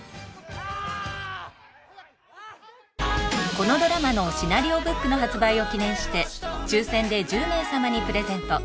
このドラマのシナリオブックの発売を記念して抽選で１０名様にプレゼント。